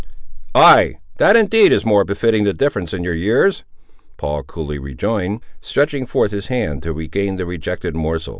"Ay—that, indeed, is more befitting the difference in your years," Paul coolly rejoined, stretching forth his hand to regain the rejected morsel.